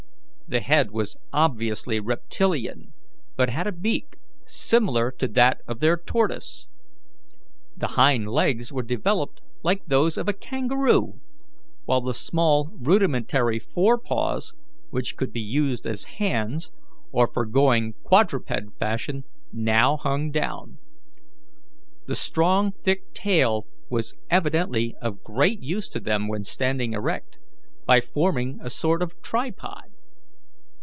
The head was obviously reptilian, but had a beak similar to that of their tortoise. The hind legs were developed like those of a kangaroo, while the small rudimentary forepaws, which could be used as hands or for going quadruped fashion, now hung down. The strong thick tail was evidently of great use to them when standing erect, by forming a sort of tripod.